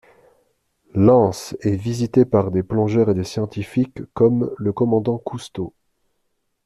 L'anse est visitée par des plongeurs et des scientifiques comme le commandant Cousteau.